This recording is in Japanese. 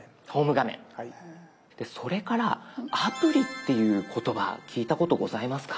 それから「アプリ」っていう言葉聞いたことございますか？